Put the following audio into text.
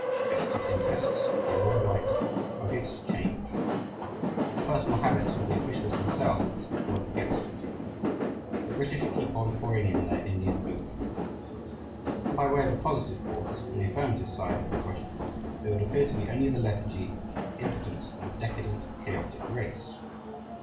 The "vested interests," yellow and white, are against a change; the personal habits of the officials themselves work against it; the British keep on pouring in their Indian opium; and by way of a positive force on the affirmative side of the question there would appear to be only the lethargy and impotence of a decadent, chaotic race.